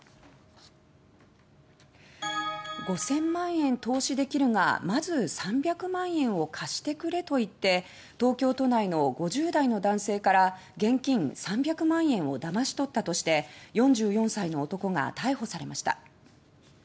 「５０００万円投資できるがまず３００万円を貸してくれ」と言って東京都内の５０代の男性から現金３００万円をだまし取ったとして４４歳の男が逮捕されました。